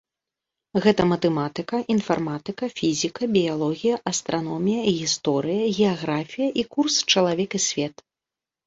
Гэта матэматыка, інфарматыка, фізіка, біялогія, астраномія, гісторыя, геаграфія і курс чалавек і свет.